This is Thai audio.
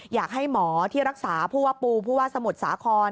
อยากให้หมอที่รักษาผู้ว่าปูผู้ว่าสมุทรสาคร